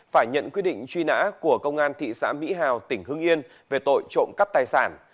phải nhận quyết định truy nã của công an thị xã mỹ hào tỉnh hưng yên về tội trộm cắp tài sản